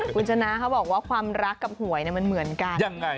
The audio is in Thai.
คุณชนะเขาบอกว่าความรักกับหวยมันเหมือนกัน